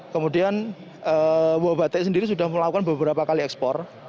kemudian wo batik sendiri sudah melakukan beberapa kali ekspor